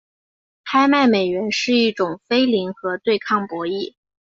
拍卖美元是一种非零和对抗博弈。